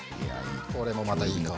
これもまたいい香り。